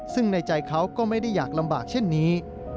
ซึ่งในใจเขาก็ไม่ได้อยากลำบากเช่นนี้